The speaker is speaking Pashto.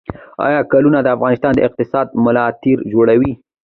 آیا کانونه د افغانستان د اقتصاد ملا تیر جوړوي؟